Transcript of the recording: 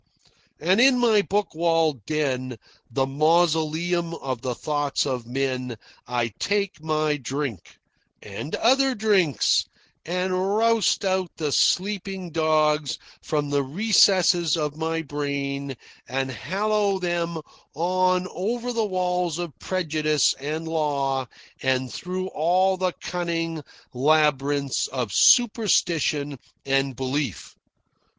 And in my book walled den, the mausoleum of the thoughts of men, I take my drink, and other drinks, and roust out the sleeping dogs from the recesses of my brain and hallo them on over the walls of prejudice and law and through all the cunning labyrinths of superstition and belief.